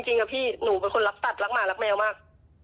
อะพี่หนูเป็นคนรักสัตว์รักหมารักแมวมาก